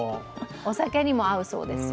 お酒にも合うそうですよ。